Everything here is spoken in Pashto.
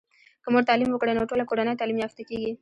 که مور تعليم وکړی نو ټوله کورنۍ تعلیم یافته کیږي.